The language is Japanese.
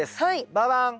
ババン！